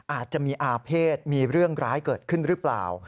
อาจจะมีอาเภษมีเรื่องร้ายเกิดขึ้นหรือเปล่า